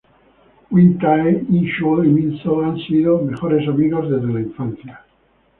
Hyun-tae, In-chul y Min-soo han sido mejores amigos desde la infancia.